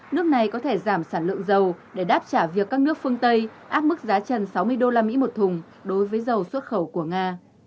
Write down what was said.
nước này có thể giảm sản lượng dầu để đáp trả việc các nước phương tây áp mức giá trần sáu mươi usd một thùng đối với dầu xuất khẩu của nga